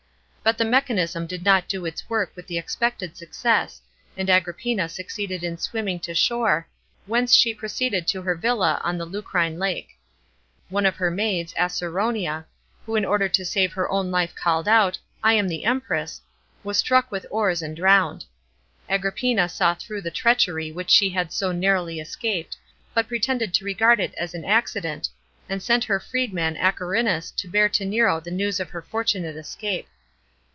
But the mechaniwm did not do its work with the expected success, a,ud Agrippina succeeded in swimming to shore, whence she pro ceeded to her villa on the Lucrine lake. One of her maids. * Too., Ann., xiii. 45 : Ctmcta alia prater honestum animum. 59 A.D. DEATH OF AGKIPPINA. 279 Acerronia, who in order to save her own life called out, " I am the Empress," was struck with oats, and drowned. Agrippina saw through the treachery which she had so narrowly escaped, but pretended to regard it as an accident, and sent her freedman Agerinus to bear to Nero the news of her fortunate escape.